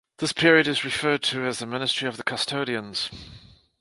This period is referred to as the Ministry of the Custodians.